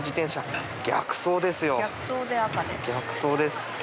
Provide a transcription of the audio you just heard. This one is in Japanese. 逆走です。